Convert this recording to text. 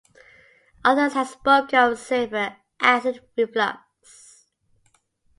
Others have spoken of severe acid reflux.